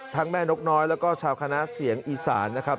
แม่นกน้อยแล้วก็ชาวคณะเสียงอีสานนะครับ